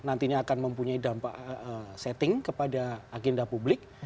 nantinya akan mempunyai dampak setting kepada agenda publik